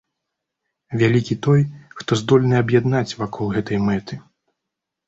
Вялікі той, хто здольны аб'яднаць вакол гэтай мэты.